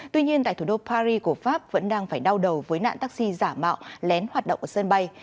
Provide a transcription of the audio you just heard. tuy nhiên tại thủ đô paris của pháp vẫn đang phải đau đầu với nạn taxi giả mạo lén hoạt động ở sân bay